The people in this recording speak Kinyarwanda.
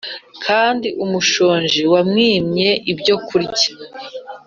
kandi umushonji wamwimye ibyokurya